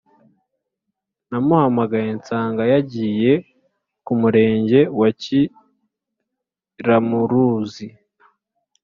Namuhamagaye nsanga yagiye kumurenge wa kiramuruzi